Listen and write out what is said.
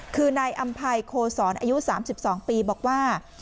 คือนายอำภัยโคศรอายุ๓๒ปีบอกว่า